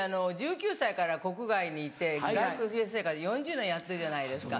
１９歳から国外にいて外国生活４０年やってるじゃないですか。